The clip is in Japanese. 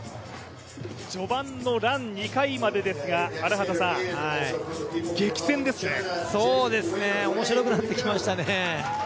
序盤のラン２回までですがおもしろくなってきましたね。